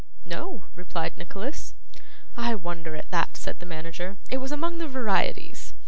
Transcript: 'No,' replied Nicholas. 'I wonder at that,' said the manager. 'It was among the varieties.